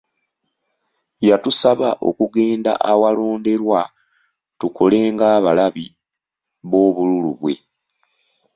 Yatusaba okugenda awalonderwa tukole ng'abalabi b'obululu bwe.